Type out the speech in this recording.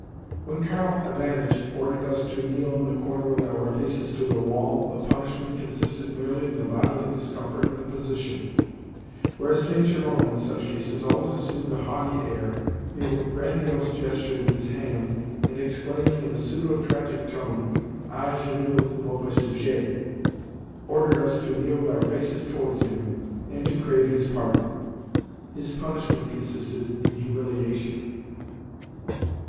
When Karl Ivanitch ordered us to kneel in the corner with our faces to the wall, the punishment consisted merely in the bodily discomfort of the position, whereas St. Jerome, in such cases, always assumed a haughty air, made a grandiose gesture with his hand, and exclaiming in a pseudo tragic tone, "A genoux, mauvais sujet!" ordered us to kneel with our faces towards him, and to crave his pardon. His punishment consisted in humiliation.